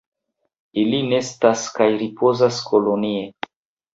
Ili nestas kaj ripozas kolonie.